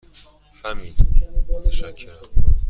همین، متشکرم.